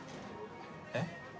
えっ？